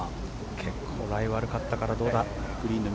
結構、ライ悪かったからどうか。